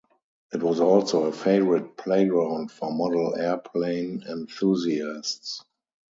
It was also a favourite playground for model airplane enthusiasts.